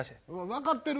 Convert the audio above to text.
わかってる？